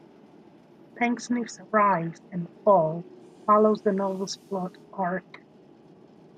Pecksniff's rise and fall follows the novel's plot arc.